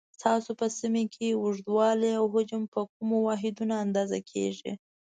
ستاسو په سیمه کې اوږدوالی او حجم په کومو واحدونو اندازه کېږي؟